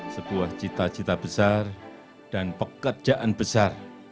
sebuah cita cita besar dan pekerjaan besar